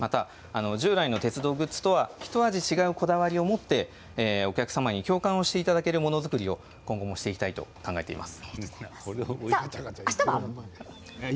従来の鉄道のグッズともひと味違うこだわりを持ってお客様に共感してもらえるものづくりを今後考えていきたいと思います。